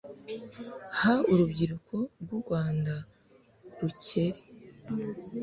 ha urubyiruko rw'u rwanda rukere